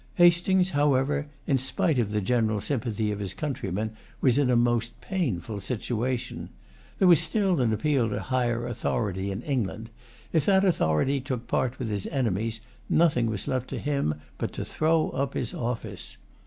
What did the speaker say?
Hastings, however, in spite of the general sympathy of his countrymen, was in a most painful situation. There was still an appeal to higher authority in England. If that authority took part with his enemies, nothing was left to him but to throw up his office.